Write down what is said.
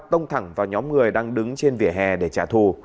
tông thẳng vào nhóm người đang đứng trên vỉa hè để trả thù